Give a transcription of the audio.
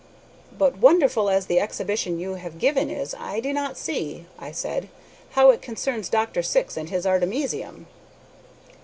"But wonderful as the exhibition you have given is, I do not see," I said, "how it concerns Dr. Syx and his artemisium."